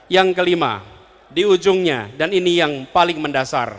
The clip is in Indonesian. yang kelima di ujungnya dan ini yang paling mendasar